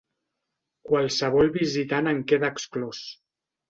Qualsevol visitant en queda exclòs.